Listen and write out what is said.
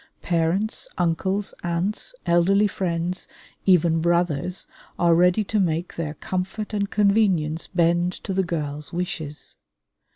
Parents, uncles, aunts, elderly friends, even brothers, are ready to make their comfort and convenience bend to the girls' wishes.